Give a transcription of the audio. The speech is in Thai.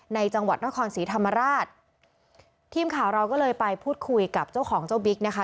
จังหวัดนครศรีธรรมราชทีมข่าวเราก็เลยไปพูดคุยกับเจ้าของเจ้าบิ๊กนะคะ